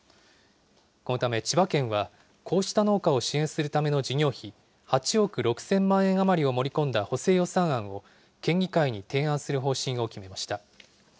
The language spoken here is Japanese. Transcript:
このため千葉県は、こうした農家を支援するための事業費、８億６０００万円余りを盛り込んだ補正予算案を、県議会に提案する方針を決めました。